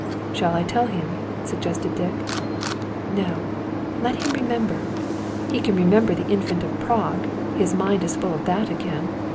"Shall I tell him?" suggested Dick. "No, let him remember. He can remember his Infant of Prague; his mind is full of that again.